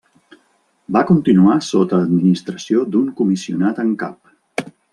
Va continuar sota administració d'un Comissionat en cap.